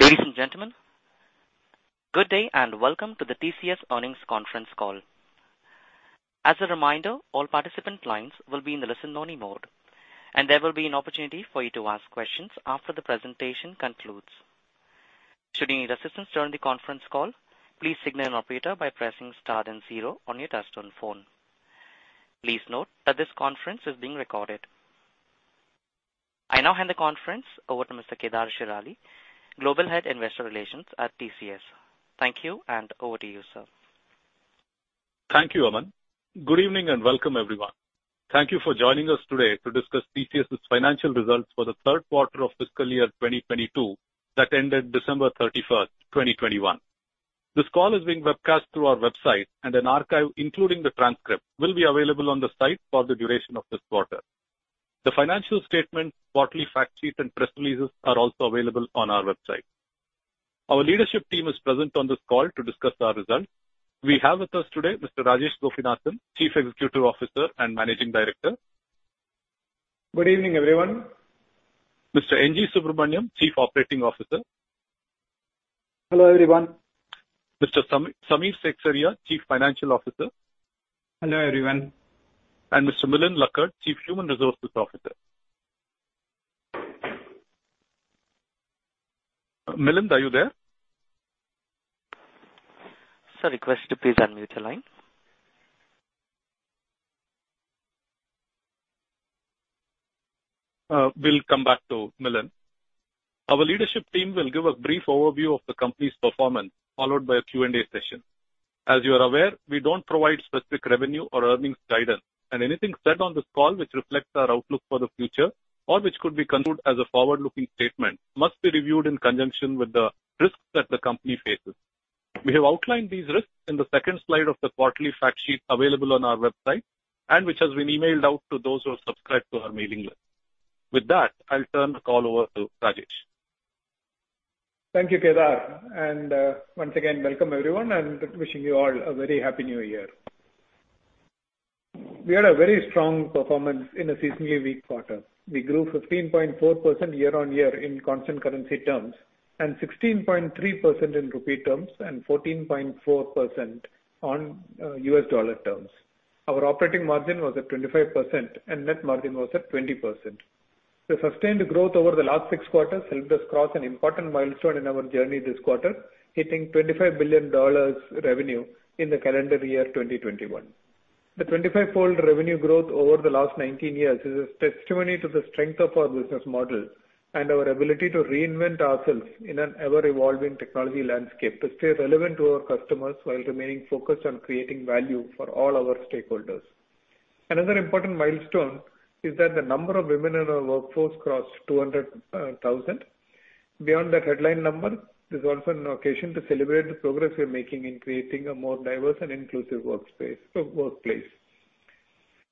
Ladies and gentlemen, good day and welcome to the TCS Earnings Conference Call. As a reminder, all participant lines will be in the listen-only mode, and there will be an opportunity for you to ask questions after the presentation concludes. Should you need assistance during the conference call, please signal an operator by pressing star then zero on your touchtone phone. Please note that this conference is being recorded. I now hand the conference over to Mr. Kedar Shirali, Global Head, Investor Relations at TCS. Thank you and over to you, sir. Thank you, Aman. Good evening and welcome, everyone. Thank you for joining us today to discuss TCS' financial results for the third quarter of fiscal year 2022 that ended December 31, 2021. This call is being webcast through our website, and an archive, including the transcript, will be available on the site for the duration of this quarter. The financial statement, quarterly fact sheets, and press releases are also available on our website. Our leadership team is present on this call to discuss our results. We have with us today Mr. Rajesh Gopinathan, Chief Executive Officer and Managing Director. Good evening, everyone. Mr. N. G. Subramaniam, Chief Operating Officer. Hello, everyone. Mr. Samir Seksaria, Chief Financial Officer. Hello, everyone. Mr. Milind Lakkad, Chief Human Resources Officer. Milind, are you there? Sir, request to please unmute the line. We'll come back to Milind. Our leadership team will give a brief overview of the company's performance, followed by a Q&A session. As you are aware, we don't provide specific revenue or earnings guidance, and anything said on this call which reflects our outlook for the future or which could be construed as a forward-looking statement must be reviewed in conjunction with the risks that the company faces. We have outlined these risks in the second slide of the quarterly fact sheet available on our website and which has been emailed out to those who are subscribed to our mailing list. With that, I'll turn the call over to Rajesh. Thank you, Kedar. Once again, welcome everyone, and wishing you all a very happy new year. We had a very strong performance in a seasonally weak quarter. We grew 15.4% year-on-year in constant currency terms and 16.3% in rupee terms and 14.4% on US dollar terms. Our operating margin was at 25%, and net margin was at 20%. The sustained growth over the last six quarters helped us cross an important milestone in our journey this quarter, hitting $25 billion revenue in the calendar year 2021. The 25-fold revenue growth over the last 19 years is a testimony to the strength of our business model and our ability to reinvent ourselves in an ever-evolving technology landscape to stay relevant to our customers while remaining focused on creating value for all our stakeholders. Another important milestone is that the number of women in our workforce crossed 200,000. Beyond that headline number, this is also an occasion to celebrate the progress we are making in creating a more diverse and inclusive workspace, workplace.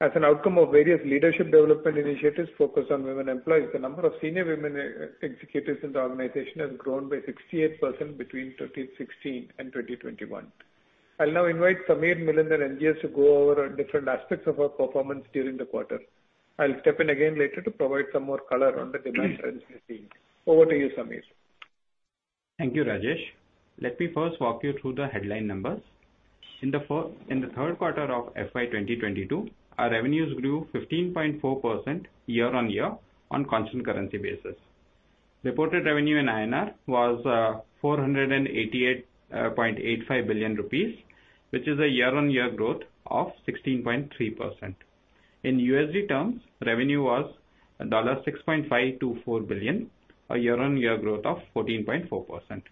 As an outcome of various leadership development initiatives focused on women employees, the number of senior women executives in the organization has grown by 68% between 2016 and 2021. I'll now invite Samir, Milind, and NG to go over different aspects of our performance during the quarter. I'll step in again later to provide some more color on the demands that we are seeing. Over to you, Samir. Thank you, Rajesh. Let me first walk you through the headline numbers. In the third quarter of FY 2022, our revenues grew 15.4% year-on-year on constant currency basis. Reported revenue in INR was 488.85 billion rupees, which is a year-on-year growth of 16.3%. In USD terms, revenue was $6.524 billion, a year-on-year growth of 14.4%.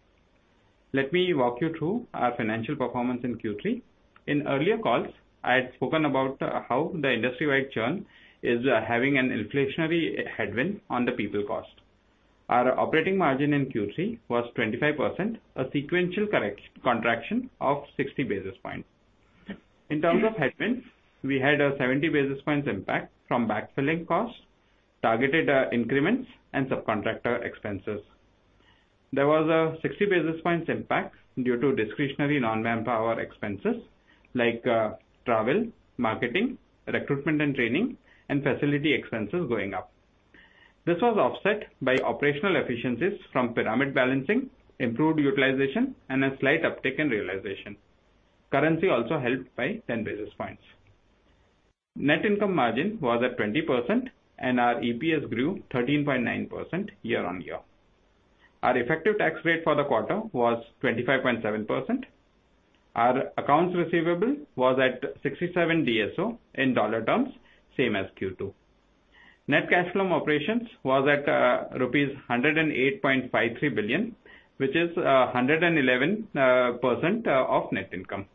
Let me walk you through our financial performance in Q3. In earlier calls, I had spoken about how the industry-wide churn is having an inflationary headwind on the people cost. Our operating margin in Q3 was 25%, a sequential contraction of 60 basis points. In terms of headwinds, we had a 70 basis points impact from backfilling costs, targeted increments, and subcontractor expenses. There was a 60 basis points impact due to discretionary non-manpower expenses like, travel, marketing, recruitment and training, and facility expenses going up. This was offset by operational efficiencies from pyramid balancing, improved utilization, and a slight uptick in realization. Currency also helped by 10 basis points. Net income margin was at 20%, and our EPS grew 13.9% year-on-year. Our effective tax rate for the quarter was 25.7%. Our accounts receivable was at 67 DSO in dollar terms, same as Q2. Net cash from operations was at rupees 108.53 billion, which is 111% of net income.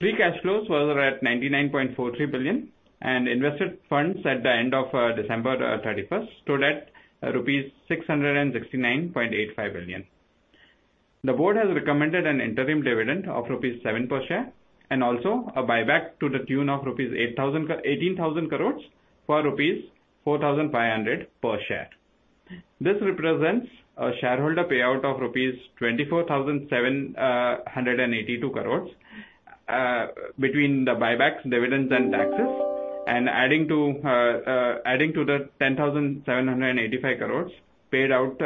Free cash flows were at 99.43 billion, and invested funds at the end of December 31 stood at rupees 669.85 billion. The board has recommended an interim dividend of INR seven per share and also a buyback to the tune of 18,000 crores for rupees 4,500 per share. This represents a shareholder payout of rupees 24,782 crores. Between the buybacks, dividends, and taxes, and adding to the 10,785 crores paid out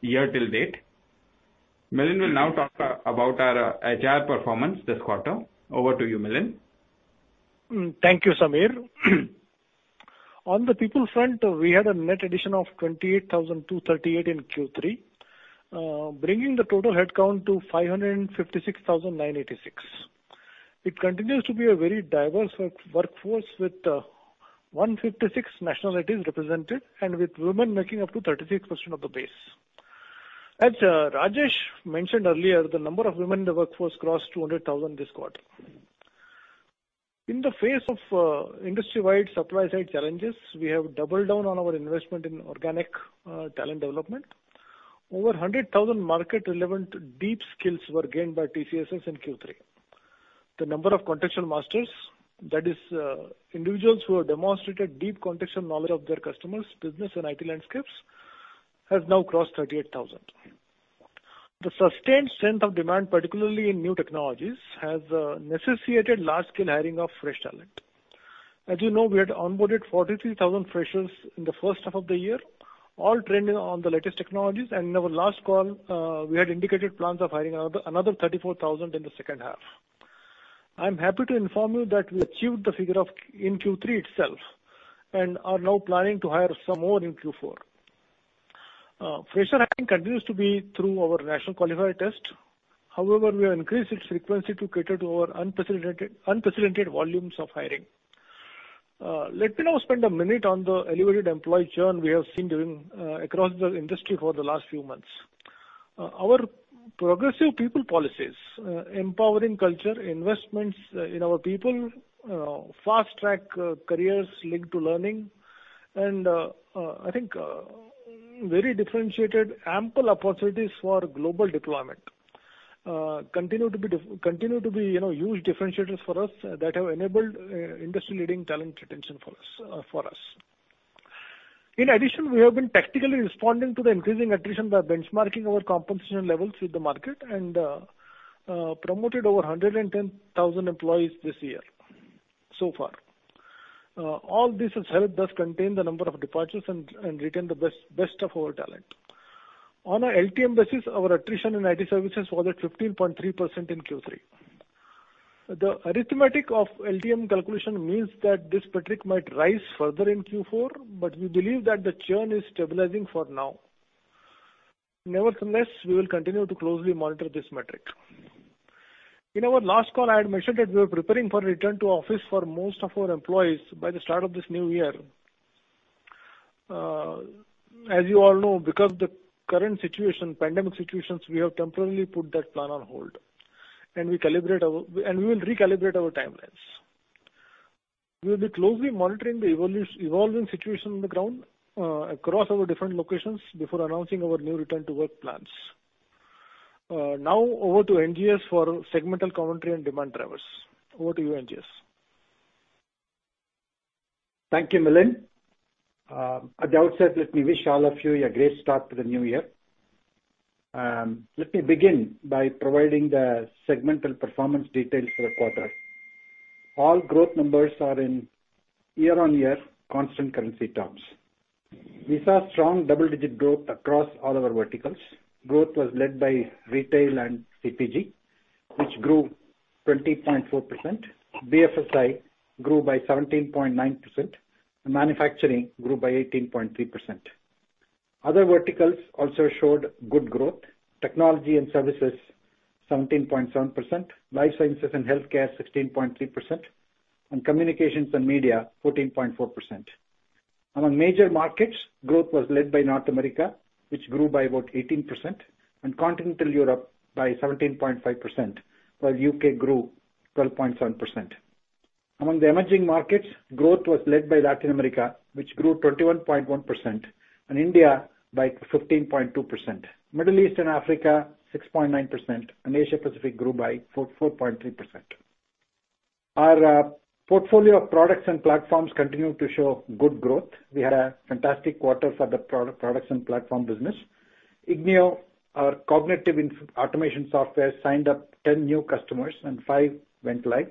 year to date. Milind will now talk about our HR performance this quarter. Over to you, Milind. Thank you, Samir. On the people front, we had a net addition of 28,238 in Q3, bringing the total headcount to 556,986. It continues to be a very diverse workforce with 156 nationalities represented and with women making up 36% of the base. Rajesh mentioned earlier, the number of women in the workforce crossed 200,000 this quarter. In the face of industry-wide supply-side challenges, we have doubled down on our investment in organic talent development. Over 100,000 market-relevant deep skills were gained by TCSers in Q3. The number of Contextual Masters, that is, individuals who have demonstrated deep contextual knowledge of their customers' business and IT landscapes, has now crossed 38,000. The sustained strength of demand, particularly in new technologies, has necessitated large-scale hiring of fresh talent. As you know, we had onboarded 43,000 freshers in the first half of the year, all trained on the latest technologies. In our last call, we had indicated plans of hiring another 34,000 in the second half. I'm happy to inform you that we achieved the figure of 34,000 in Q3 itself and are now planning to hire some more in Q4. Fresher hiring continues to be through our National Qualifier Test. However, we have increased its frequency to cater to our unprecedented volumes of hiring. Let me now spend a minute on the elevated employee churn we have seen across the industry for the last few months. Our progressive people policies, empowering culture, investments in our people, fast-track careers linked to learning, and I think very differentiated ample opportunities for global deployment continue to be, you know, huge differentiators for us that have enabled industry-leading talent retention for us. In addition, we have been tactically responding to the increasing attrition by benchmarking our compensation levels with the market and promoted over 110,000 employees this year so far. All this has helped us contain the number of departures and retain the best of our talent. On a LTM basis, our attrition in IT services was at 15.3% in Q3. The arithmetic of LTM calculation means that this metric might rise further in Q4, but we believe that the churn is stabilizing for now. Nevertheless, we will continue to closely monitor this metric. In our last call, I had mentioned that we were preparing for return to office for most of our employees by the start of this new year. As you all know, because the current situation, pandemic situations, we have temporarily put that plan on hold, and we will recalibrate our timelines. We'll be closely monitoring the evolving situation on the ground, across our different locations before announcing our new return to work plans. Now over to NGS for segmental commentary and demand drivers. Over to you, NGS. Thank you, Milind. As I would say, let me wish all of you a great start to the new year. Let me begin by providing the segmental performance details for the quarter. All growth numbers are in year-on-year constant currency terms. We saw strong double-digit growth across all our verticals. Growth was led by Retail and CPG, which grew 20.4%. BFSI grew by 17.9%, and Manufacturing grew by 18.3%. Other verticals also showed good growth. Technology and Services, 17.7%; Life Sciences and Healthcare, 16.3%; and Communications and Media, 14.4%. Among major markets, growth was led by North America, which grew by about 18%, and Continental Europe by 17.5%, while U.K. grew 12.7%. Among the emerging markets, growth was led by Latin America, which grew 21.1%, and India by 15.2%, Middle East and Africa, 6.9%, and Asia Pacific grew by 4.3%. Our portfolio of products and platforms continued to show good growth. We had a fantastic quarter for the products and platform business. ignio, our cognitive automation software, signed up 10 new customers and five went live.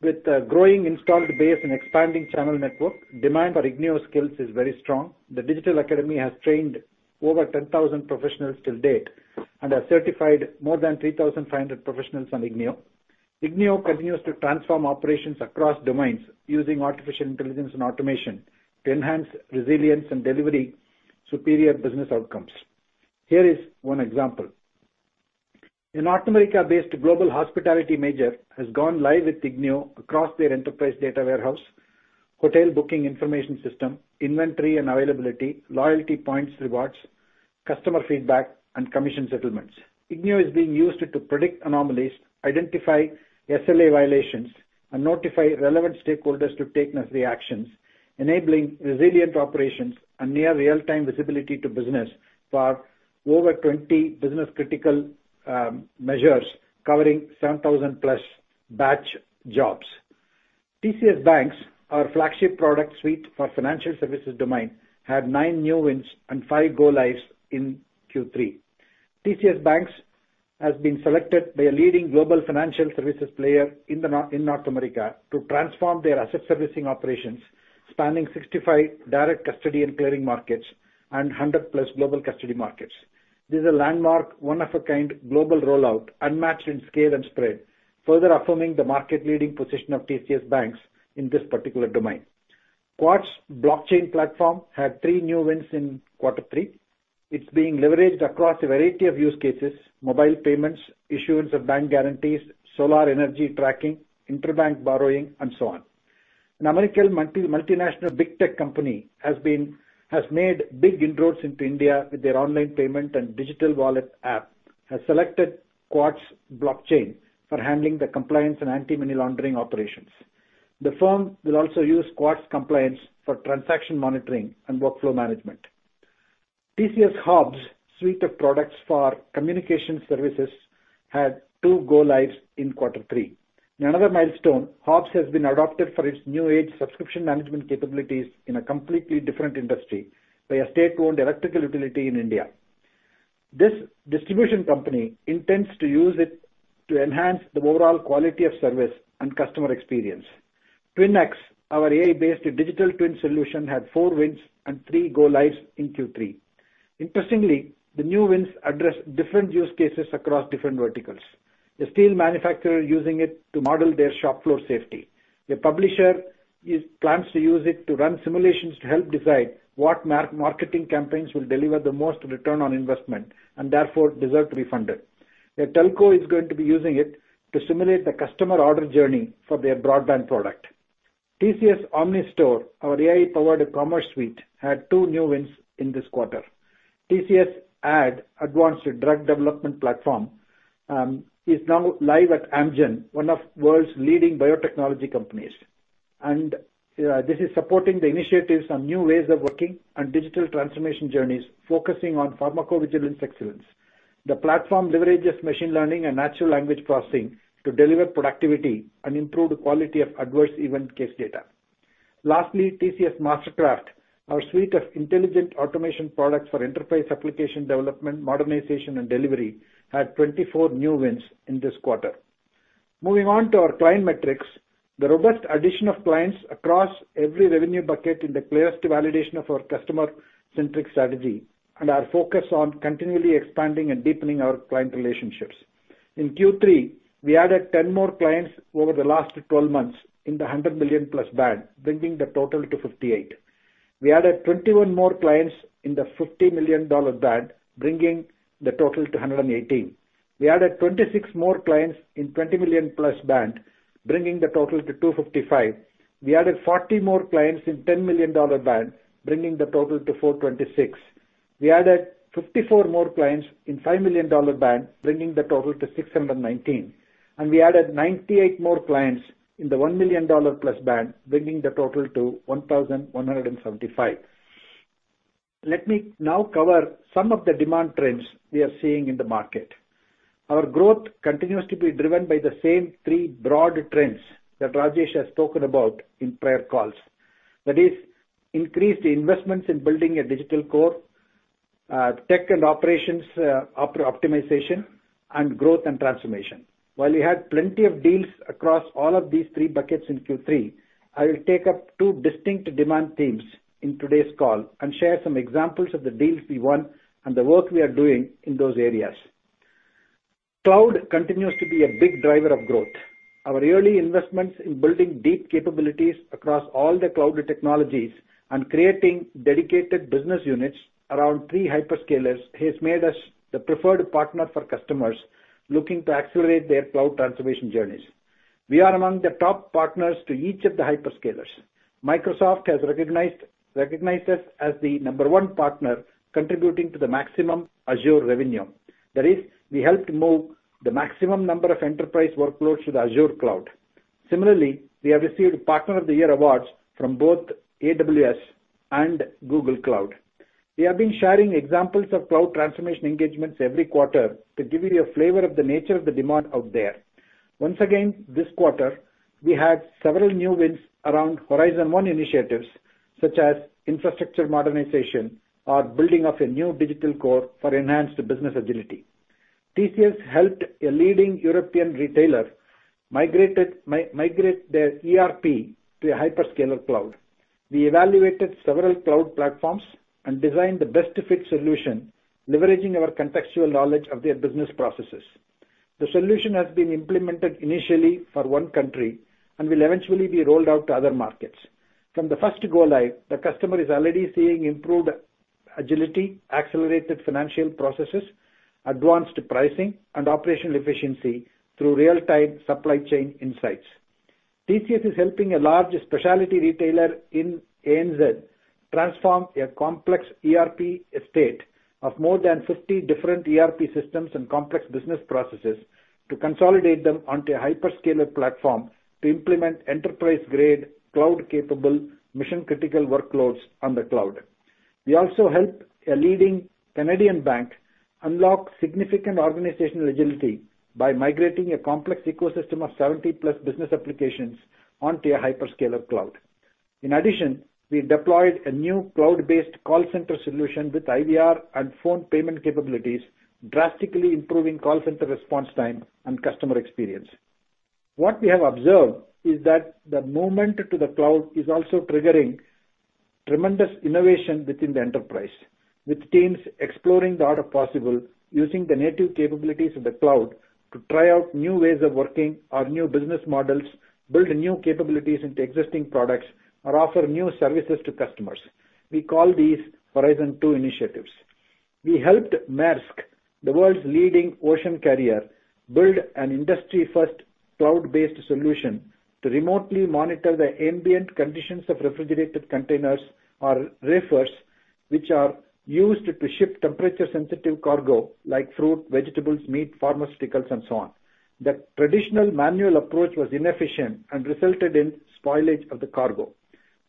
With a growing installed base and expanding channel network, demand for ignio skills is very strong. The Digital Academy has trained over 10,000 professionals till date and has certified more than 3,500 professionals on ignio. ignio continues to transform operations across domains using artificial intelligence and automation to enhance resilience and delivering superior business outcomes. Here is one example. A North America-based global hospitality major has gone live with ignio across their enterprise data warehouse, hotel booking information system, inventory and availability, loyalty points rewards, customer feedback, and commission settlements. Ignio is being used to predict anomalies, identify SLA violations, and notify relevant stakeholders to take necessary actions, enabling resilient operations and near real-time visibility to business for over 20 business-critical measures covering 7,000+ batch jobs. TCS BaNCS, our flagship product suite for financial services domain, had nine new wins and five go lives in Q3. TCS BaNCS has been selected by a leading global financial services player in North America to transform their asset servicing operations, spanning 65 direct custody and clearing markets and 100+ global custody markets. This is a landmark, one-of-a-kind global rollout unmatched in scale and spread, further affirming the market-leading position of TCS BaNCS in this particular domain. Quartz blockchain platform had three new wins in quarter three. It's being leveraged across a variety of use cases, mobile payments, issuance of bank guarantees, solar energy tracking, interbank borrowing, and so on. An American multinational big tech company has made big inroads into India with their online payment and digital wallet app, has selected Quartz blockchain for handling the compliance and anti-money laundering operations. The firm will also use Quartz compliance for transaction monitoring and workflow management. TCS HOBS suite of products for communication services had two go lives in quarter three. In another milestone, HOBS has been adopted for its new age subscription management capabilities in a completely different industry by a state-owned electrical utility in India. This distribution company intends to use it to enhance the overall quality of service and customer experience. TCS TwinX, our AI-based digital twin solution, had four wins and three go lives in Q3. Interestingly, the new wins address different use cases across different verticals. A steel manufacturer using it to model their shop floor safety. A publisher plans to use it to run simulations to help decide what marketing campaigns will deliver the most return on investment and therefore deserve to be funded. A telco is going to be using it to simulate the customer order journey for their broadband product. TCS OmniStore, our AI-powered commerce suite, had two new wins in this quarter. TCS ADD, advanced drug development platform, is now live at Amgen, one of the world's leading biotechnology companies. This is supporting the initiatives on new ways of working and digital transformation journeys focusing on pharmacovigilance excellence. The platform leverages machine learning and natural language processing to deliver productivity and improve the quality of adverse event case data. TCS MasterCraft, our suite of intelligent automation products for enterprise application development, modernization, and delivery, had 24 new wins in this quarter. Moving on to our client metrics, the robust addition of clients across every revenue bucket is the clearest validation of our customer-centric strategy and our focus on continually expanding and deepening our client relationships. In Q3, we added 10 more clients over the last 12 months in the $100 million-plus band, bringing the total to 58. We added 21 more clients in the $50 million band, bringing the total to 118. We added 26 more clients in $20 million-plus band, bringing the total to 255. We added 40 more clients in $10 million band, bringing the total to 426. We added 54 more clients in $5 million band, bringing the total to 619. We added 98 more clients in the $1 million plus band, bringing the total to 1,175. Let me now cover some of the demand trends we are seeing in the market. Our growth continues to be driven by the same three broad trends that Rajesh has spoken about in prior calls. That is increased investments in building a digital core, tech and operations optimization, and growth and transformation. While we had plenty of deals across all of these three buckets in Q3, I will take up two distinct demand themes in today's call and share some examples of the deals we won and the work we are doing in those areas. Cloud continues to be a big driver of growth. Our early investments in building deep capabilities across all the cloud technologies and creating dedicated business units around three hyperscalers has made us the preferred partner for customers looking to accelerate their cloud transformation journeys. We are among the top partners to each of the hyperscalers. Microsoft has recognized us as the number one partner contributing to the maximum Azure revenue. That is, we helped move the maximum number of enterprise workloads to the Azure cloud. Similarly, we have received Partner of the Year awards from both AWS and Google Cloud. We have been sharing examples of cloud transformation engagements every quarter to give you a flavor of the nature of the demand out there. Once again, this quarter, we had several new wins around Horizon One initiatives such as infrastructure modernization or building of a new digital core for enhanced business agility. TCS helped a leading European retailer migrate their ERP to a hyperscaler cloud. We evaluated several cloud platforms and designed the best-fit solution, leveraging our contextual knowledge of their business processes. The solution has been implemented initially for one country and will eventually be rolled out to other markets. From the first go live, the customer is already seeing improved agility, accelerated financial processes, advanced pricing, and operational efficiency through real-time supply chain insights. TCS is helping a large specialty retailer in ANZ transform a complex ERP estate of more than 50 different ERP systems and complex business processes to consolidate them onto a hyperscaler platform to implement enterprise-grade, cloud-capable, mission-critical workloads on the cloud. We also helped a leading Canadian bank unlock significant organizational agility by migrating a complex ecosystem of 70+ business applications onto a hyperscaler cloud. In addition, we deployed a new cloud-based call center solution with IVR and phone payment capabilities, drastically improving call center response time and customer experience. What we have observed is that the movement to the cloud is also triggering tremendous innovation within the enterprise, with teams exploring the art of possible, using the native capabilities of the cloud to try out new ways of working or new business models, build new capabilities into existing products, or offer new services to customers. We call these Horizon Two initiatives. We helped Maersk, the world's leading ocean carrier, build an industry-first cloud-based solution to remotely monitor the ambient conditions of refrigerated containers or reefers, which are used to ship temperature-sensitive cargo like fruit, vegetables, meat, pharmaceuticals, and so on. The traditional manual approach was inefficient and resulted in spoilage of the cargo.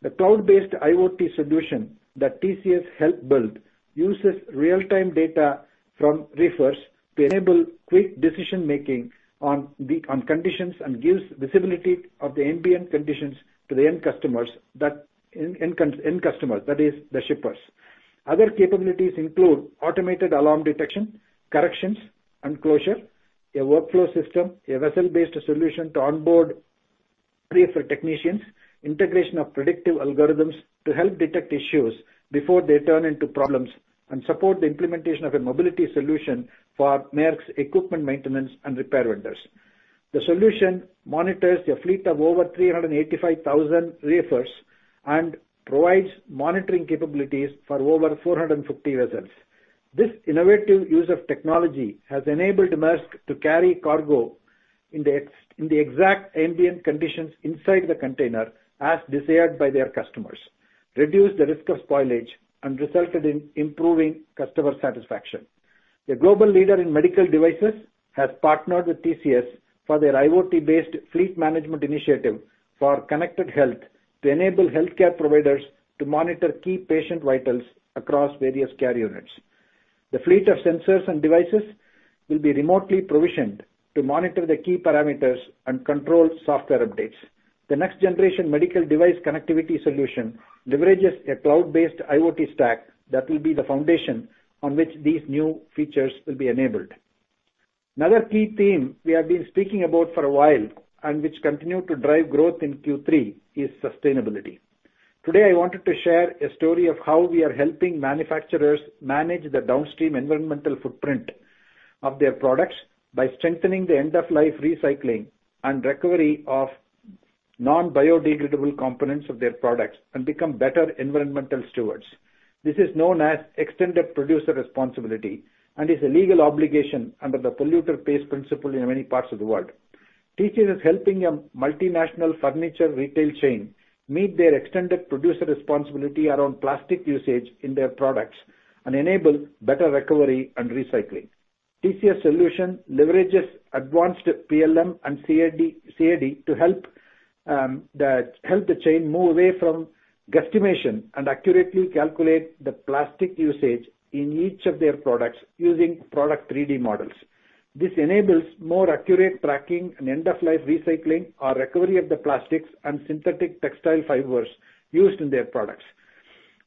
The cloud-based IoT solution that TCS helped build uses real-time data from reefers to enable quick decision-making on conditions and gives visibility of the ambient conditions to the end customers, that is, the shippers. Other capabilities include automated alarm detection, corrections, and closure, a workflow system, a vessel-based solution to onboard reefer technicians, integration of predictive algorithms to help detect issues before they turn into problems, and support the implementation of a mobility solution for Maersk's equipment maintenance and repair vendors. The solution monitors a fleet of over 385,000 reefers and provides monitoring capabilities for over 450 vessels. This innovative use of technology has enabled Maersk to carry cargo in the exact ambient conditions inside the container as desired by their customers, reduced the risk of spoilage, and resulted in improving customer satisfaction. A global leader in medical devices has partnered with TCS for their IoT-based fleet management initiative for connected health to enable healthcare providers to monitor key patient vitals across various care units. The fleet of sensors and devices will be remotely provisioned to monitor the key parameters and control software updates. The next-generation medical device connectivity solution leverages a cloud-based IoT stack that will be the foundation on which these new features will be enabled. Another key theme we have been speaking about for a while, and which continued to drive growth in Q3, is sustainability. Today, I wanted to share a story of how we are helping manufacturers manage the downstream environmental footprint of their products by strengthening the end-of-life recycling and recovery of non-biodegradable components of their products and become better environmental stewards. This is known as extended producer responsibility and is a legal obligation under the polluter pays principle in many parts of the world. TCS is helping a multinational furniture retail chain meet their extended producer responsibility around plastic usage in their products and enable better recovery and recycling. TCS solution leverages advanced PLM and CAD to help the chain move away from guesstimation and accurately calculate the plastic usage in each of their products using product 3D models. This enables more accurate tracking and end-of-life recycling or recovery of the plastics and synthetic textile fibers used in their products.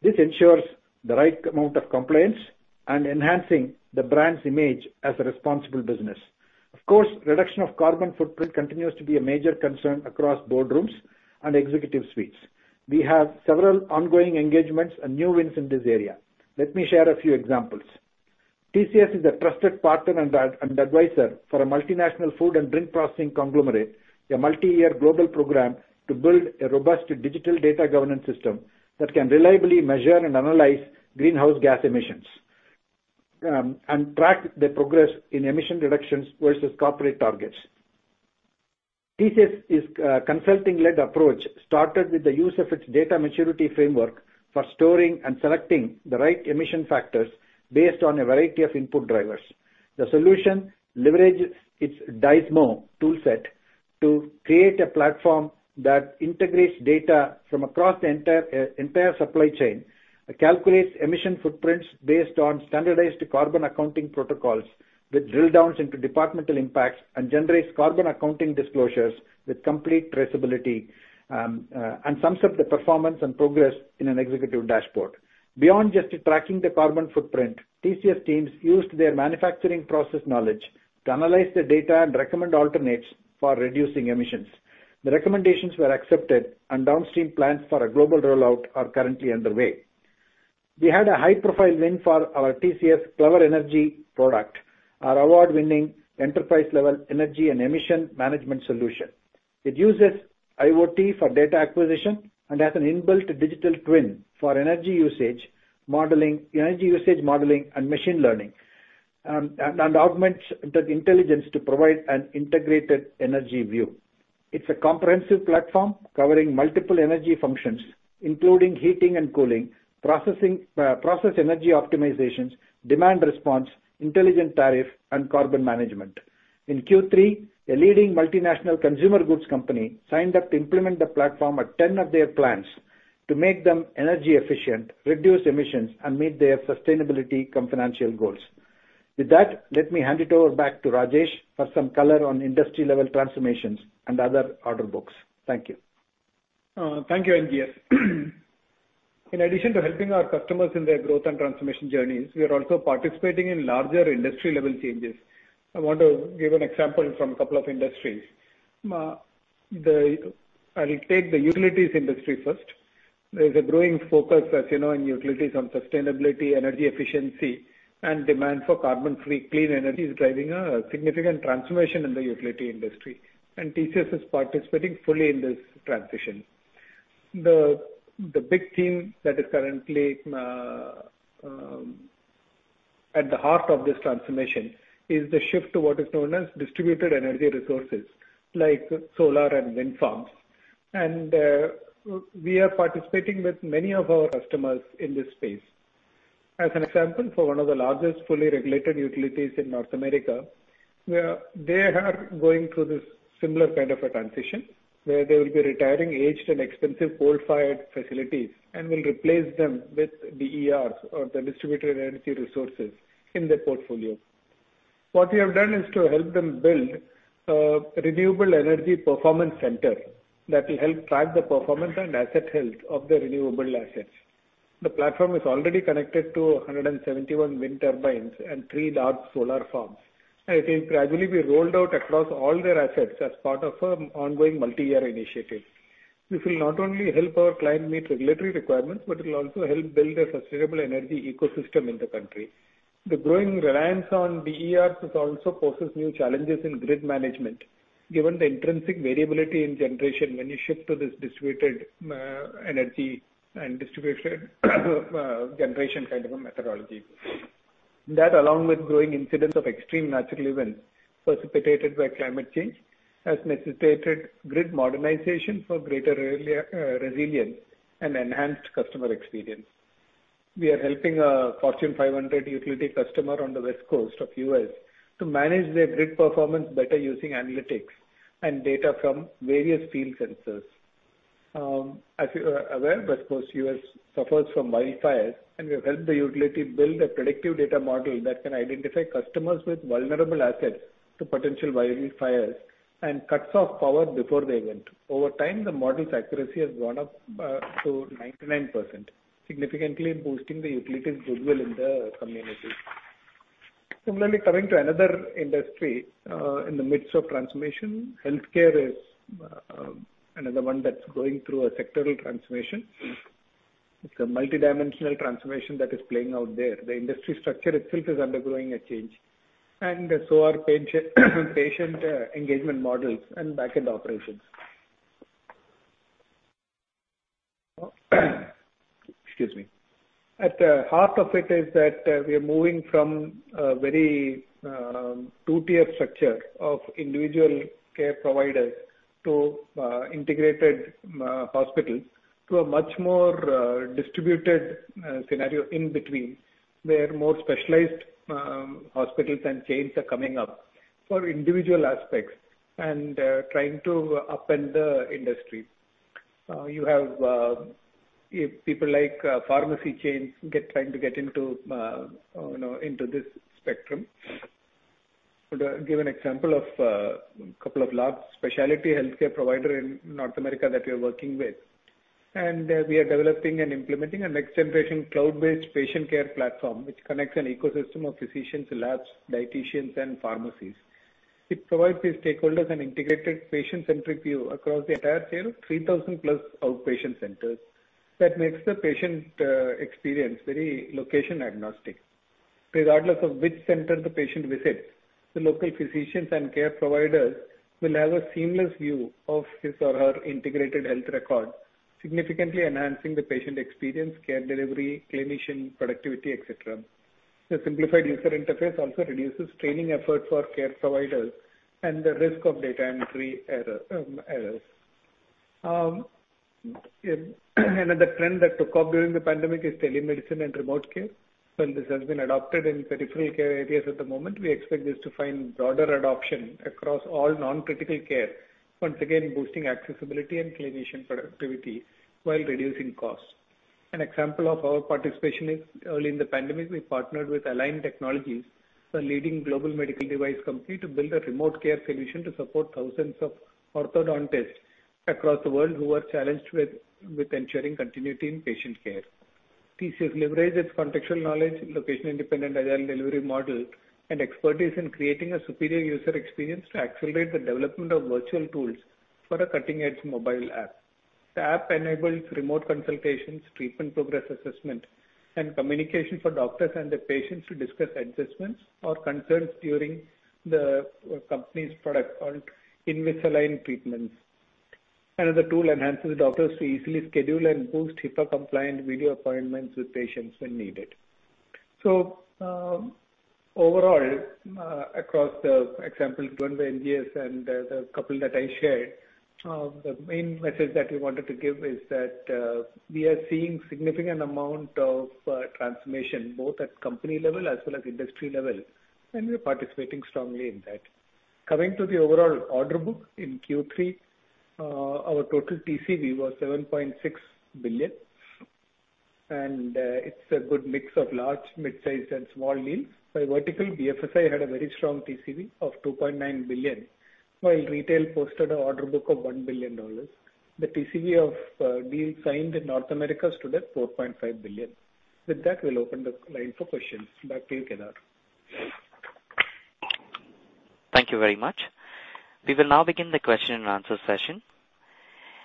This ensures the right amount of compliance and enhancing the brand's image as a responsible business. Of course, reduction of carbon footprint continues to be a major concern across boardrooms and executive suites. We have several ongoing engagements and new wins in this area. Let me share a few examples. TCS is a trusted partner and advisor for a multinational food and drink processing conglomerate, a multi-year global program to build a robust digital data governance system that can reliably measure and analyze greenhouse gas emissions, and track the progress in emission reductions versus corporate targets. TCS's consulting-led approach started with the use of its data maturity framework for storing and selecting the right emission factors based on a variety of input drivers. The solution leverages its Daezmo toolset to create a platform that integrates data from across the entire supply chain, calculates emission footprints based on standardized carbon accounting protocols with drill-downs into departmental impacts and generates carbon accounting disclosures with complete traceability, and sums up the performance and progress in an executive dashboard. Beyond just tracking the carbon footprint, TCS teams used their manufacturing process knowledge to analyze the data and recommend alternatives for reducing emissions. The recommendations were accepted and downstream plans for a global rollout are currently underway. We had a high-profile win for our TCS Clever Energy product, our award-winning enterprise-level energy and emission management solution. It uses IoT for data acquisition and has an inbuilt digital twin for energy usage modeling and machine learning and augments that intelligence to provide an integrated energy view. It's a comprehensive platform covering multiple energy functions, including heating and cooling, processing, process energy optimizations, demand response, intelligent tariff, and carbon management. In Q3, a leading multinational consumer goods company signed up to implement the platform at 10 of their plants to make them energy efficient, reduce emissions, and meet their sustainability cum financial goals. With that, let me hand it over back to Rajesh for some color on industry-level transformations and other order books. Thank you. Thank you, NGS. In addition to helping our customers in their growth and transformation journeys, we are also participating in larger industry-level changes. I want to give an example from a couple of industries. I'll take the utilities industry first. There is a growing focus, as you know, in utilities on sustainability, energy efficiency, and demand for carbon-free clean energy is driving a significant transformation in the utility industry, and TCS is participating fully in this transition. The big theme that is currently at the heart of this transformation is the shift to what is known as distributed energy resources, like solar and wind farms. We are participating with many of our customers in this space. As an example, for one of the largest fully regulated utilities in North America, where they are going through this similar kind of a transition, where they will be retiring aged and expensive coal-fired facilities and will replace them with DERs, or the distributed energy resources, in their portfolio. What we have done is to help them build a renewable energy performance center that will help track the performance and asset health of their renewable assets. The platform is already connected to 171 wind turbines and three large solar farms, and it will gradually be rolled out across all their assets as part of a ongoing multi-year initiative. This will not only help our client meet regulatory requirements, but it'll also help build a sustainable energy ecosystem in the country. The growing reliance on DERs also poses new challenges in grid management given the intrinsic variability in generation when you shift to this distributed energy and distributed generation kind of a methodology. That, along with growing incidents of extreme natural events precipitated by climate change, has necessitated grid modernization for greater resilience and enhanced customer experience. We are helping a Fortune 500 utility customer on the West Coast of the U.S. to manage their grid performance better using analytics and data from various field sensors. As you are aware, West Coast U.S. suffers from wildfires, and we have helped the utility build a predictive data model that can identify customers with vulnerable assets to potential wildfires and cuts off power before the event. Over time, the model's accuracy has gone up to 99%, significantly boosting the utility's goodwill in the community. Similarly, coming to another industry in the midst of transformation, healthcare is another one that's going through a sectoral transformation. It's a multidimensional transformation that is playing out there. The industry structure itself is undergoing a change, and so are patient engagement models and backend operations. At the heart of it is that we are moving from a very two-tier structure of individual care providers to integrated hospitals to a much more distributed scenario in between, where more specialized hospitals and chains are coming up for individual aspects and trying to upend the industry. You have people like pharmacy chains trying to get into you know, into this spectrum. To give an example of couple of large specialty healthcare provider in North America that we are working with, and we are developing and implementing a next-generation cloud-based patient care platform which connects an ecosystem of physicians, labs, dieticians and pharmacies. It provides these stakeholders an integrated patient-centric view across the entire care of 3,000+ outpatient centers that makes the patient experience very location agnostic. Regardless of which center the patient visits, the local physicians and care providers will have a seamless view of his or her integrated health record, significantly enhancing the patient experience, care delivery, clinician productivity, et cetera. The simplified user interface also reduces training effort for care providers and the risk of data entry error. Another trend that took off during the pandemic is telemedicine and remote care. While this has been adopted in peripheral care areas at the moment, we expect this to find broader adoption across all non-critical care, once again boosting accessibility and clinician productivity while reducing costs. An example of our participation is early in the pandemic, we partnered with Align Technology, a leading global medical device company, to build a remote care solution to support thousands of orthodontists across the world who were challenged with ensuring continuity in patient care. TCS leveraged its contextual knowledge, location-independent agile delivery model and expertise in creating a superior user experience to accelerate the development of virtual tools for a cutting-edge mobile app. The app enables remote consultations, treatment progress assessment, and communication for doctors and the patients to discuss adjustments or concerns during the company's product called Invisalign treatments. Another tool enables doctors to easily schedule and host HIPAA-compliant video appointments with patients when needed. Overall, across the example given by NGS and the couple that I shared, the main message that we wanted to give is that we are seeing significant amount of transformation both at company level as well as industry level, and we're participating strongly in that. Coming to the overall order book in Q3. Our total TCV was $7.6 billion, and it's a good mix of large, mid-sized and small deals. By vertical, BFSI had a very strong TCV of $2.9 billion, while retail posted a order book of $1 billion. The TCV of deals signed in North America stood at $4.5 billion. With that, we'll open the line for questions. Back to you, Kedar. Thank you very much. We will now begin the question and answer session.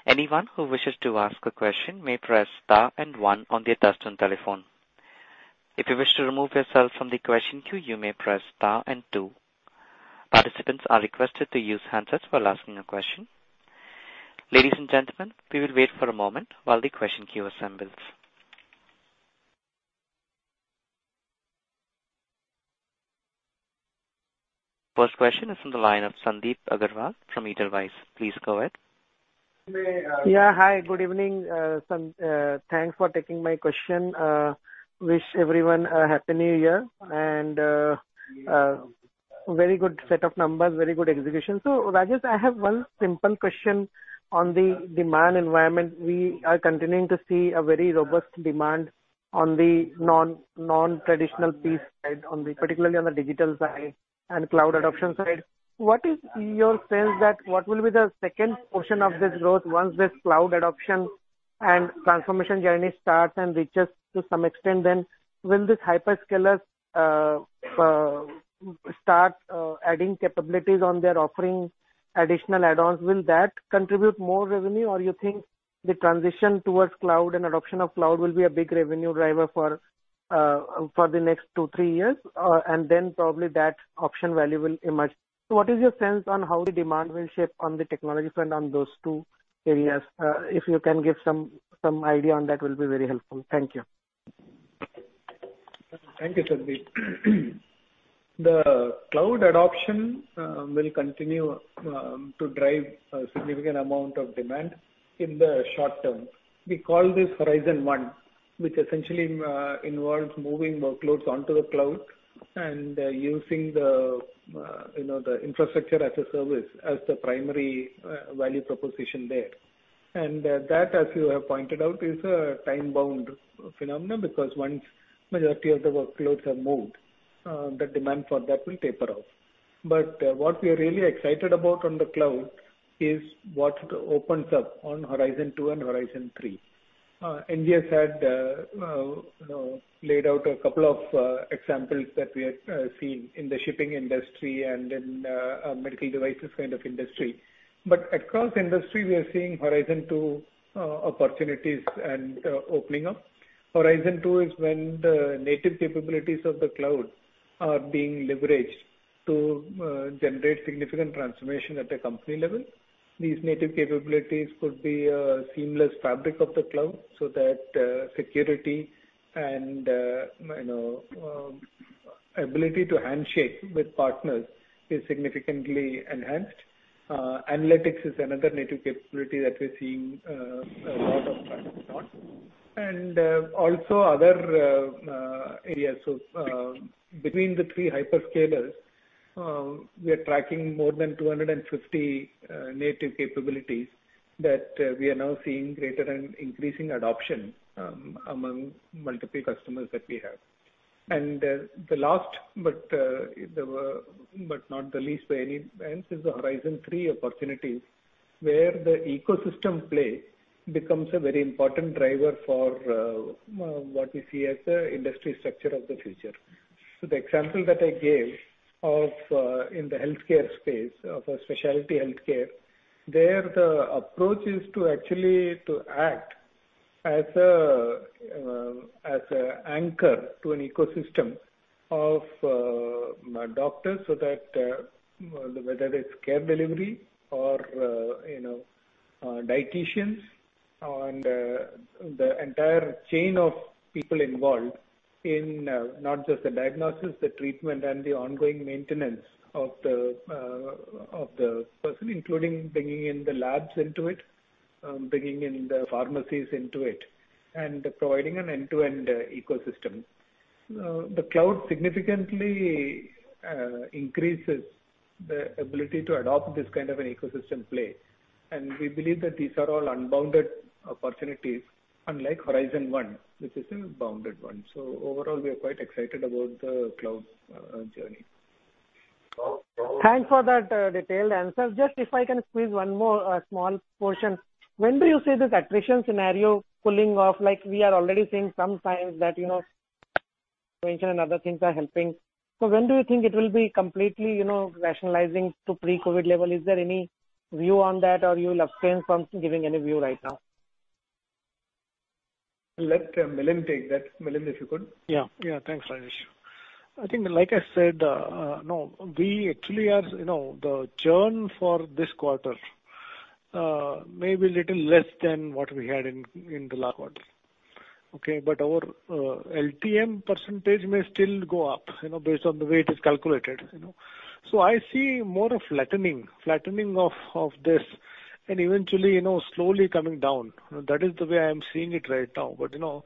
Anyone who wishes to ask a question may press star and one on their touchtone telephone. If you wish to remove yourself from the question queue you may press star and two. Participants are requested to use handsets while asking a question. Ladies and gentlemen, we will wait for a moment while the question queue assembles. First question is from the line of Sandip Agarwal from Edelweiss. Please go ahead. Yeah. Hi, good evening. Thanks for taking my question. I wish everyone a Happy New Year and very good set of numbers, very good execution. Rajesh, I have one simple question on the demand environment. We are continuing to see a very robust demand on the non-traditional piece side, particularly on the digital side and cloud adoption side. What is your sense that what will be the second portion of this growth once this cloud adoption and transformation journey starts and reaches to some extent? Then will this hyperscalers start adding capabilities on their offerings, additional add-ons? Will that contribute more revenue, or you think the transition towards cloud and adoption of cloud will be a big revenue driver for the next two, three years, and then probably that option value will emerge? What is your sense on how the demand will shape on the technology front on those two areas? If you can give some idea on that will be very helpful. Thank you. Thank you, Sandip. The cloud adoption will continue to drive a significant amount of demand in the short term. We call this Horizon One, which essentially involves moving workloads onto the cloud and using the you know the infrastructure as a service as the primary value proposition there. That as you have pointed out is a time-bound phenomenon because once majority of the workloads have moved the demand for that will taper off. What we are really excited about on the cloud is what opens up on Horizon Two and Horizon Three. NJS had you know laid out a couple of examples that we had seen in the shipping industry and in medical devices kind of industry. Across industry we are seeing Horizon Two opportunities and opening up. Horizon Two is when the native capabilities of the cloud are being leveraged to generate significant transformation at a company level. These native capabilities could be a seamless fabric of the cloud so that security and you know ability to handshake with partners is significantly enhanced. Analytics is another native capability that we're seeing a lot of traction on. Also other areas between the three hyperscalers we are tracking more than 250 native capabilities that we are now seeing greater and increasing adoption among multiple customers that we have. The last but not the least by any means is the Horizon Three opportunities, where the ecosystem play becomes a very important driver for what we see as the industry structure of the future. The example that I gave of in the healthcare space of a specialty healthcare, there the approach is to actually act as an anchor to an ecosystem of doctors so that whether it's care delivery or you know dieticians and the entire chain of people involved in not just the diagnosis, the treatment and the ongoing maintenance of the person, including bringing in the labs into it, bringing in the pharmacies into it, and providing an end-to-end ecosystem. The cloud significantly increases the ability to adopt this kind of an ecosystem play, and we believe that these are all unbounded opportunities, unlike Horizon One, which is a bounded one. Overall, we are quite excited about the cloud journey. Thanks for that, detailed answer. Just if I can squeeze one more, small portion. When do you see this attrition scenario pulling off? Like, we are already seeing some signs that, you know, and other things are helping. When do you think it will be completely, you know, rationalizing to pre-COVID level? Is there any view on that or you will abstain from giving any view right now? I'll let Milind take that. Milind, if you could. Yeah. Yeah. Thanks, Rajesh. I think like I said, no, we actually are, you know, the churn for this quarter may be little less than what we had in the last quarter, okay? Our LTM percentage may still go up, you know, based on the way it is calculated, you know. I see more of flattening of this and eventually, you know, slowly coming down. That is the way I'm seeing it right now, you know-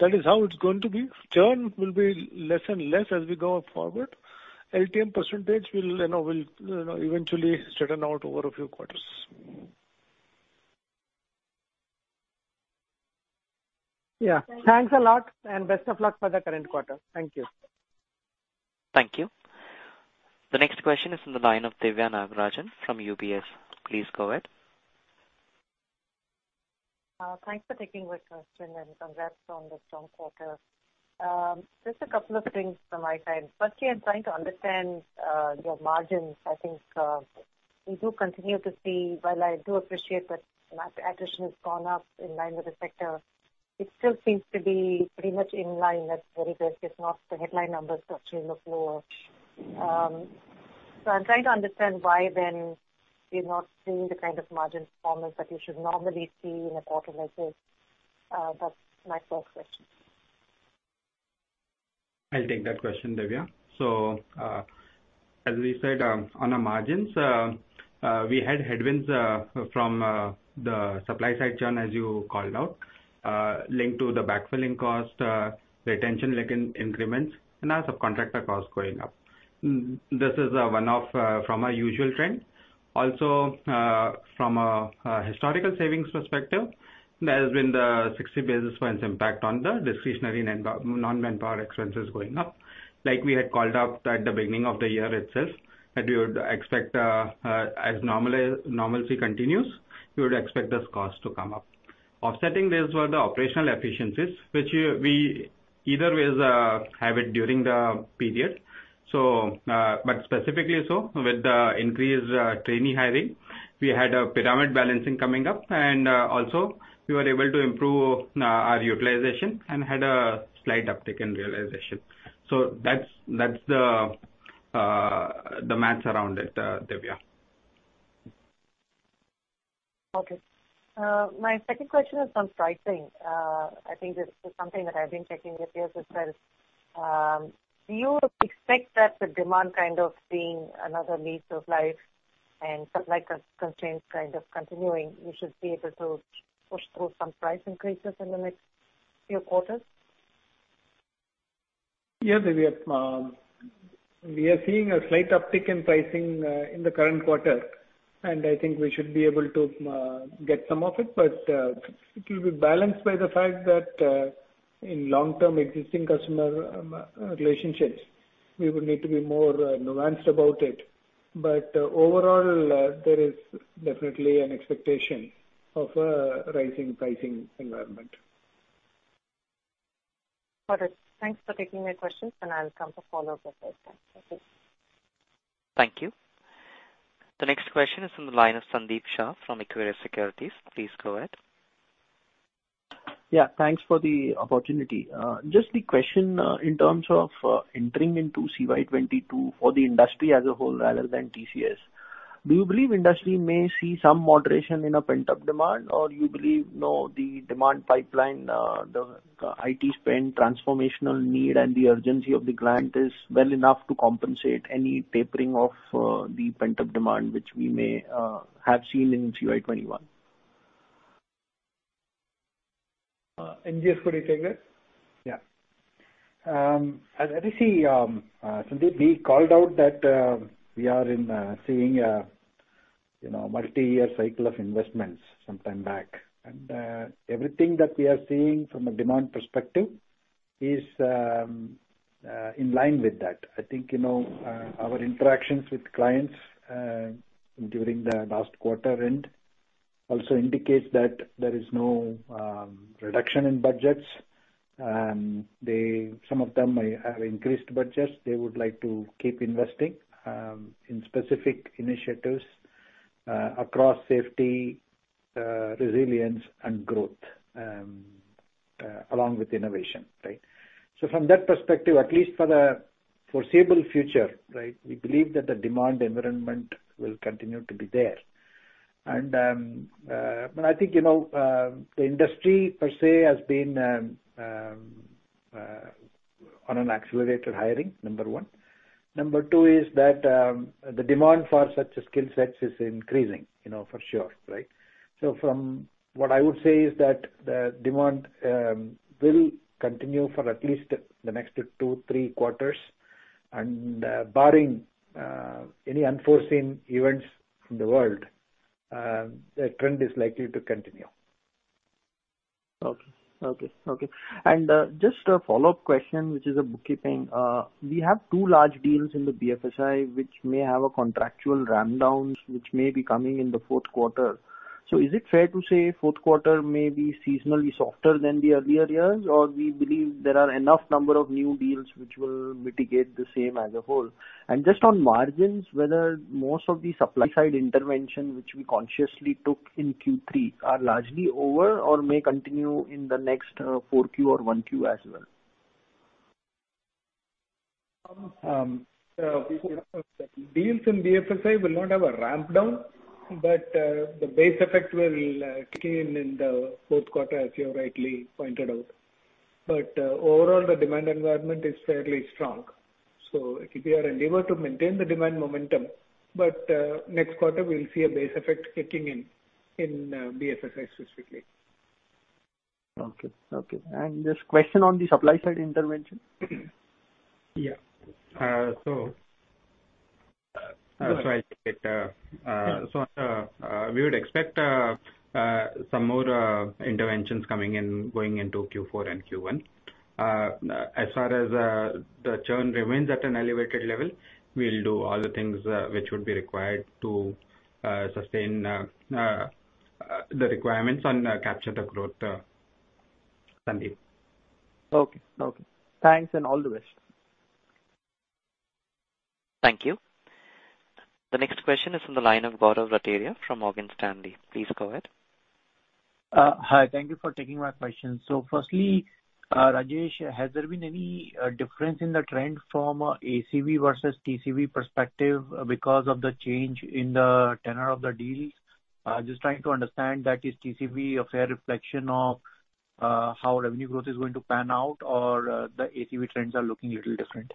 That is how it's going to be. Churn will be less and less as we go forward. LTM percentage will, you know, eventually straighten out over a few quarters. Yeah. Thanks a lot, and best of luck for the current quarter. Thank you. Thank you. The next question is from the line of Diviya Nagarajan from UBS. Please go ahead. Thanks for taking my question, and congrats on the strong quarter. Just a couple of things from my side. Firstly, I'm trying to understand your margins. While I do appreciate that attrition has gone up in line with the sector, it still seems to be pretty much in line, the EBIT, if not the headline numbers actually look lower. So I'm trying to understand why then we're not seeing the kind of margin performance that you should normally see in a quarter like this. That's my first question. I'll take that question, Diviya. As we said, on the margins, we had headwinds from the supply side churn, as you called out, linked to the backfilling cost, retention-linked increments, and our subcontractor costs going up. This is one-off from our usual trend. Also, from a historical savings perspective, there has been the 60 basis points impact on the discretionary non-manpower expenses going up. Like we had called out at the beginning of the year itself, that we would expect as normalcy continues, we would expect this cost to come up. Offsetting this were the operational efficiencies which we have achieved during the period. specifically so with the increased trainee hiring, we had a pyramid balancing coming up, and also we were able to improve our utilization and had a slight uptick in realization. That's the math around it, Diviya. Okay. My second question is on pricing. I think this is something that I've been checking with peers as well. Do you expect that the demand kind of being another lease on life and supply constraints kind of continuing, you should be able to push through some price increases in the next few quarters? Yeah, Diviya. We are seeing a slight uptick in pricing in the current quarter. I think we should be able to get some of it, but it will be balanced by the fact that in long-term existing customer relationships, we would need to be more nuanced about it. Overall, there is definitely an expectation of a rising pricing environment. Got it. Thanks for taking my questions, and I'll come for follow-up if I can. Okay. Thank you. The next question is from the line of Sandeep Shah from Equirus Securities. Please go ahead. Yeah, thanks for the opportunity. Just the question, in terms of entering into CY 2022 for the industry as a whole rather than TCS. Do you believe industry may see some moderation in a pent-up demand? Or you believe, no, the demand pipeline, the IT spend transformational need and the urgency of the client is well enough to compensate any tapering of the pent-up demand which we may have seen in CY 2021? NJ, could you take it? Yeah. As I see, Sandeep, we called out that we are seeing a, you know, multi-year cycle of investments sometime back. Everything that we are seeing from a demand perspective is in line with that. I think, you know, our interactions with clients during the last quarter end also indicates that there is no reduction in budgets. Some of them may have increased budgets. They would like to keep investing in specific initiatives across safety, resilience and growth along with innovation, right? From that perspective, at least for the foreseeable future, right, we believe that the demand environment will continue to be there. But I think, you know, the industry per se has been on an accelerated hiring, number one. Number two is that, the demand for such skill sets is increasing, you know, for sure, right? From what I would say is that the demand will continue for at least the next 2-3 quarters. Barring any unforeseen events in the world, the trend is likely to continue. Just a follow-up question, which is a bookkeeping. We have two large deals in the BFSI, which may have contractual ramp downs, which may be coming in the fourth quarter. Is it fair to say fourth quarter may be seasonally softer than the earlier years? Or we believe there are enough number of new deals which will mitigate the same as a whole? Just on margins, whether most of the supply side intervention which we consciously took in Q3 are largely over or may continue in the next Q4 or Q1 as well. Deals in BFSI will not have a ramp down, but the base effect will kick in in the fourth quarter, as you rightly pointed out. Overall the demand environment is fairly strong. It will be our endeavor to maintain the demand momentum. Next quarter we'll see a base effect kicking in in BFSI specifically. Okay, okay. Just a question on the supply side intervention. Yeah, I think we would expect some more interventions coming in going into Q4 and Q1. As far as the churn remains at an elevated level, we'll do all the things which would be required to sustain the requirements and capture the growth, Sandeep. Okay. Thanks and all the best. Thank you. The next question is from the line of Gaurav Rateria from Morgan Stanley. Please go ahead. Hi. Thank you for taking my question. Firstly, Rajesh, has there been any difference in the trend from ACV versus TCV perspective because of the change in the tenure of the deals? Just trying to understand that is TCV a fair reflection of how revenue growth is going to pan out or the ACV trends are looking a little different.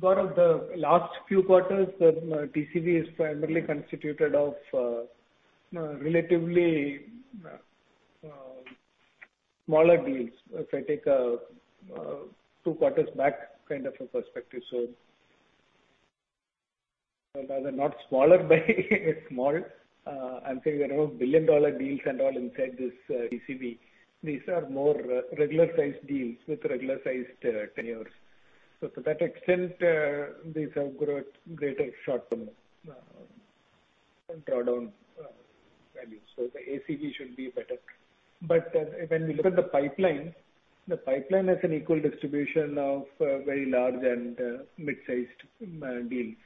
Gaurav, the last few quarters the TCV is primarily constituted of relatively smaller deals. If I take a two quarters back kind of a perspective. Rather not smaller but small. I'm saying around billion-dollar deals and all inside this TCV. These are more regular-sized deals with regular-sized tenures. To that extent, these have greater short-term draw down values. The ACV should be better. When we look at the pipeline, the pipeline has an equal distribution of very large and mid-sized deals.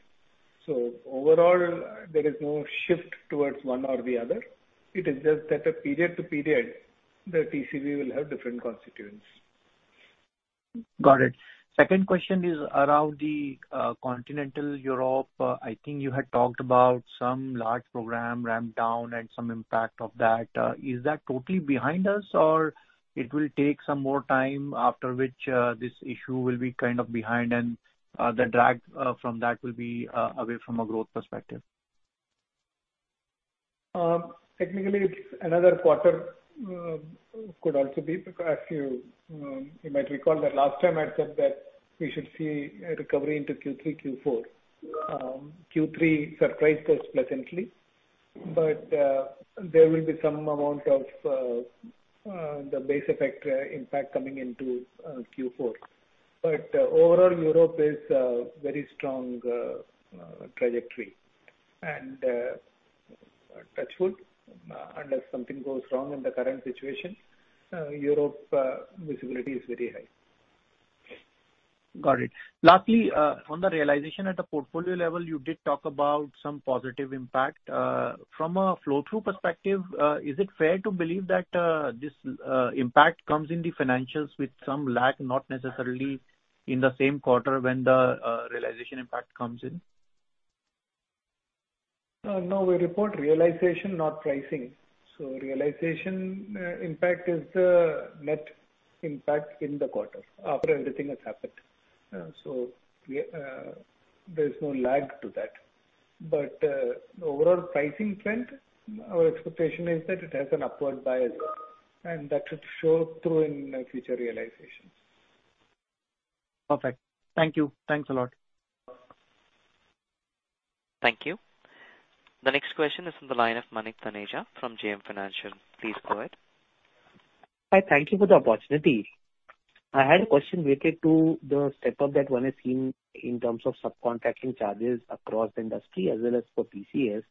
Overall there is no shift towards one or the other. It is just that a period-to-period, the TCV will have different constituents. Got it. Second question is around the Continental Europe. I think you had talked about some large program ramp down and some impact of that. Is that totally behind us, or it will take some more time after which this issue will be kind of behind and the drag from that will be away from a growth perspective? Technically it's another quarter, could also be. Because you might recall that last time I'd said that we should see a recovery into Q3, Q4. Q3 surprised us pleasantly, but there will be some amount of the base effect impact coming into Q4. Overall Europe is a very strong trajectory. Touch wood, unless something goes wrong in the current situation, Europe visibility is very high. Got it. Lastly, on the realization at the portfolio level you did talk about some positive impact. From a flow through perspective, is it fair to believe that this impact comes in the financials with some lag, not necessarily in the same quarter when the realization impact comes in? No. We report realization, not pricing. Realization impact is the net impact in the quarter after everything has happened. We, there's no lag to that. Overall pricing trend, our expectation is that it has an upward bias and that should show through in future realizations. Perfect. Thank you. Thanks a lot. Thank you. The next question is from the line of Manik Taneja from Axis Capital. Please go ahead. Hi. Thank you for the opportunity. I had a question related to the step up that one has seen in terms of subcontracting charges across industry as well as for TCS,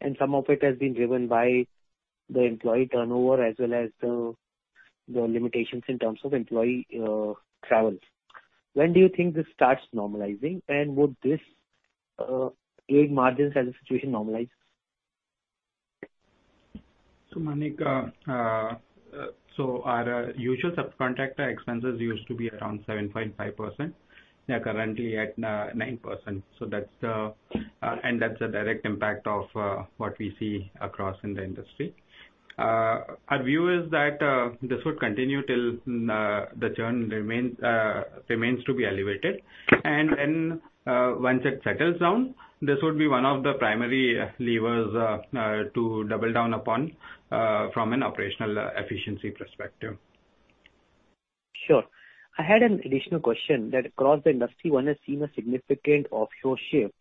and some of it has been driven by the employee turnover as well as the limitations in terms of employee travels. When do you think this starts normalizing, and would this aid margins as the situation normalizes? Manik, our usual subcontractor expenses used to be around 7.5%. They're currently at 9%, that's the direct impact of what we see across in the industry. Our view is that this would continue till the churn remains to be elevated. When once it settles down, this would be one of the primary levers to double down upon from an operational efficiency perspective. Sure. I had an additional question that across the industry one has seen a significant offshore shift.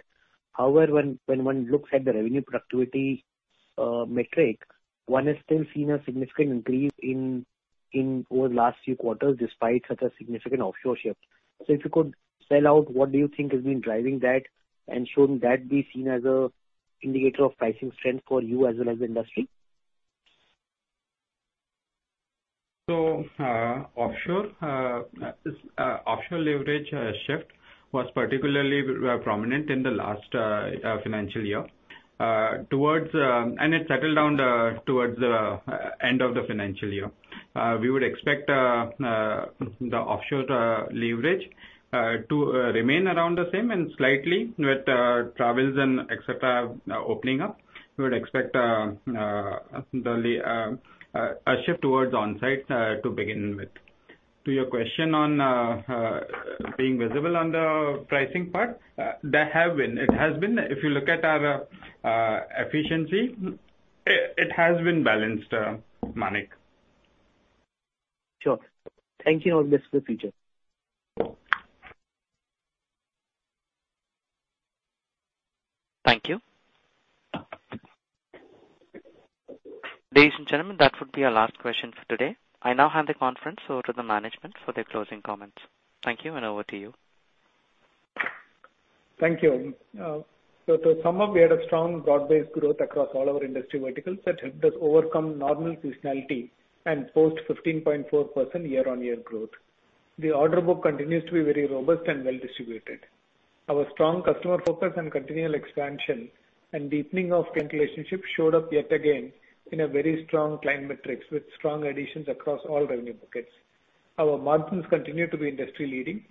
However, when one looks at the revenue productivity metric, one has still seen a significant increase in over the last few quarters, despite such a significant offshore shift. If you could spell out what do you think has been driving that, and shouldn't that be seen as an indicator of pricing strength for you as well as the industry? Offshore leverage shift was particularly prominent in the last financial year. It settled down towards the end of the financial year. We would expect the offshore leverage to remain around the same and slightly with travels and et cetera opening up. We would expect a shift towards onsite to begin with. To your question on being visible on the pricing part, it has been. If you look at our efficiency, it has been balanced, Manik. Sure. Thank you, and I'll get to the feature. Thank you. Ladies and gentlemen, that would be our last question for today. I now hand the conference over to the management for their closing comments. Thank you, and over to you. Thank you. To sum up, we had a strong broad-based growth across all our industry verticals that helped us overcome normal seasonality and posted 15.4% year-on-year growth. The order book continues to be very robust and well-distributed. Our strong customer focus and continual expansion and deepening of client relationships showed up yet again in a very strong client metrics with strong additions across all revenue buckets. Our margins continue to be industry-leading.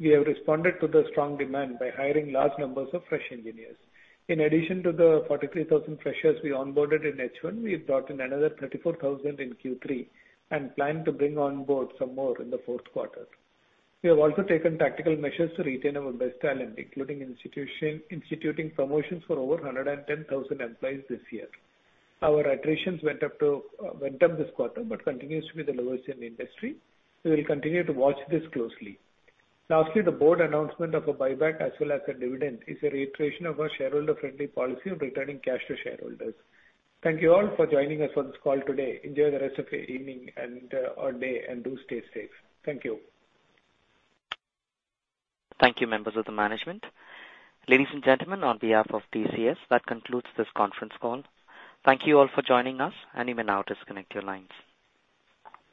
We have responded to the strong demand by hiring large numbers of fresh engineers. In addition to the 43,000 freshers we onboarded in H1, we've brought in another 34,000 in Q3 and plan to bring on board some more in the fourth quarter. We have also taken tactical measures to retain our best talent, including instituting promotions for over 110,000 employees this year. Our attritions went up this quarter, but continues to be the lowest in the industry. We will continue to watch this closely. Lastly, the board announcement of a buyback as well as a dividend is a reiteration of our shareholder-friendly policy of returning cash to shareholders. Thank you all for joining us on this call today. Enjoy the rest of your evening and, or day, and do stay safe. Thank you. Thank you, members of the management. Ladies and gentlemen, on behalf of TCS, that concludes this conference call. Thank you all for joining us, and you may now disconnect your lines.